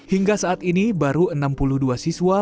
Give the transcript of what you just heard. hingga saat ini baru enam puluh dua siswa